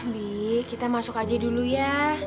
bi kita masuk aja dulu ya